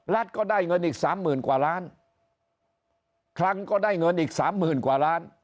ก็ได้เงินอีกสามหมื่นกว่าล้านครั้งก็ได้เงินอีกสามหมื่นกว่าล้าน